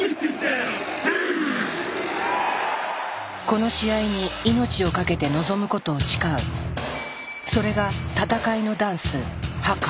この試合に命をかけて臨むことを誓うそれが闘いのダンスハカ。